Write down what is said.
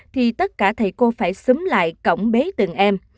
thì tất cả thầy cô phải xúm lại cổng bế từng em